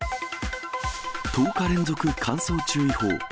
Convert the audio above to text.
１０日連続乾燥注意報。